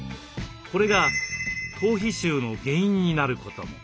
これが頭皮臭の原因になることも。